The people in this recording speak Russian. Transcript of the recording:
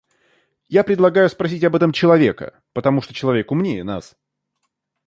Я предлагаю спросить об этом человека, потому что человек умнее нас.